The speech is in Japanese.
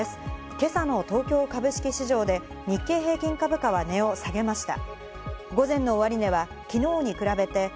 今朝の東京株式市場で日経平均株価は値を下げました。